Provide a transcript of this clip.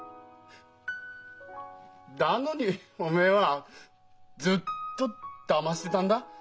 だのにおめえはずっとだましてたんだ。